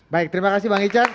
baik terima kasih bang ican